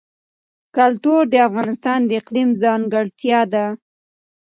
کلتور د افغانستان د اقلیم ځانګړتیا ده.